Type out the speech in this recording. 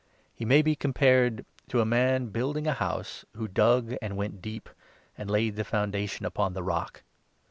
He may be compared to a man 48 building a house, who dug, and went deep, and laid the foundation upon the rock.